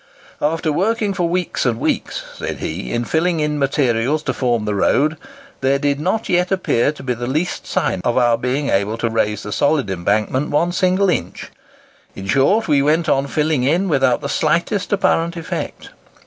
"After working for weeks and weeks," said he, "in filling in materials to form the road, there did not yet appear to be the least sign of our being able to raise the solid embankment one single inch; in short we went on filling in without the slightest apparent effect.